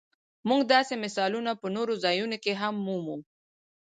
موږ داسې مثالونه په نورو ځایونو کې هم مومو.